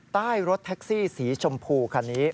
รถแท็กซี่สีชมพูคันนี้